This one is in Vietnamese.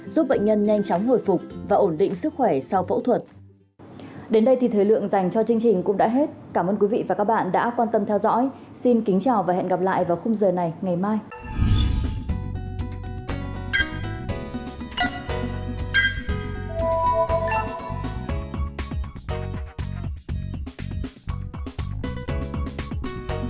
giúp bệnh nhân nhanh chóng hồi phục và ổn định sức khỏe sau phẫu thuật